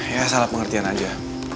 ya salah pengertian aja